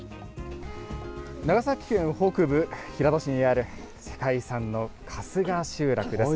長崎県北部、平戸市にある世界遺産の春日集落です。